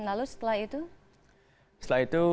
lalu setelah itu setelah itu